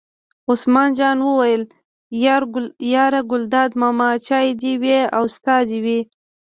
عثمان جان وویل: یار ګلداد ماما چای دې وي او ستا دې وي.